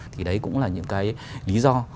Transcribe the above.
thì đấy cũng là những cái lý do